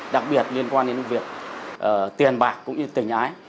đặc biệt liên quan đến việc tiền bạc cũng như tình ái